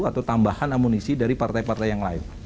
atau tambahan amunisi dari partai partai yang lain